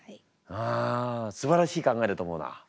あすばらしい考えだと思うなうん。